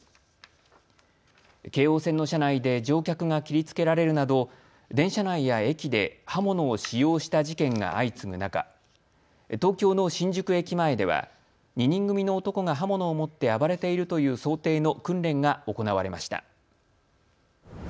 京王線の車内で乗客が切りつけられるなど電車内や駅で刃物を使用した事件が相次ぐ中、東京の新宿駅前では２人組の男が刃物を持って暴れているという想定の訓練が行われました。